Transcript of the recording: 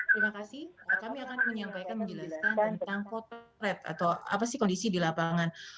terima kasih kami akan menyampaikan menjelaskan tentang potret atau apa sih kondisi di lapangan